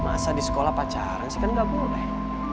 masa di sekolah pacaran sih kan nggak boleh